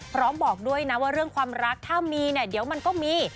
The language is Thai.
บอกด้วยนะว่าเรื่องความรักถ้ามีเนี่ยเดี๋ยวมันก็มี